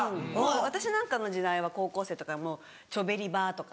私なんかの時代は高校生とかも「チョベリバ」とか。